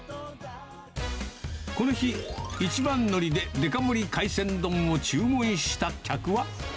この日、一番乗りでデカ盛り海鮮丼を注文した客は。